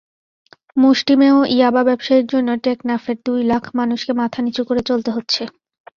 মুষ্টিমেয় ইয়াবা ব্যবসায়ীর জন্য টেকনাফের দুই লাখ মানুষকে মাথানিচু করে চলতে হচ্ছে।